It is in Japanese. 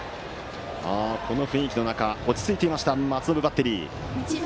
この雰囲気の中落ち着いていた、松延バッテリー。